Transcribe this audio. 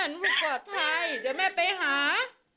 หนูปลอดภัยเดี๋ยวแม่ไปหา